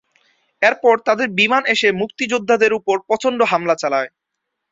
এরপর তাদের বিমান এসে মুক্তিযোদ্ধাদের ওপর প্রচণ্ড হামলা চালায়।